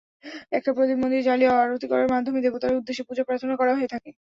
একটা প্রদীপ মন্দিরে জ্বালিয়ে আরতি করার মাধ্যমে দেবতার উদ্দেশ্যে পূজা প্রার্থনা করা হয়ে থাকে।